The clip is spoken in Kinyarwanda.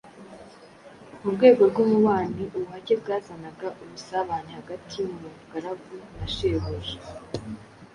Mu rwego rw'umubano, ubuhake bwazanaga ubusabane hagati y'umugaragu na shebuja